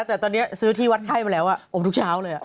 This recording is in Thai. แต่ตอนนี้ซื้อที่วัดไข้มาแล้วอมทุกเช้าเลย